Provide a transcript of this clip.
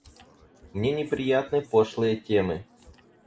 Мне неприятны пошлые темы.